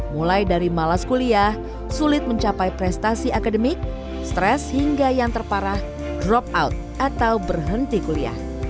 mulai dari malas kuliah sulit mencapai prestasi akademik stres hingga yang terparah drop out atau berhenti kuliah